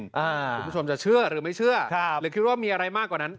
คุณผู้ชมจะเชื่อหรือไม่เชื่อหรือคิดว่ามีอะไรมากกว่านั้น